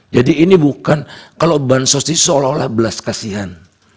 jadi ini bukan kalau bansos itu seolah olah belas kasihan